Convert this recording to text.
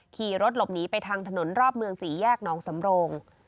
ขี่รถหลบหนีไปทางถนนรอบเมืองสี่แยกหนองสำโรง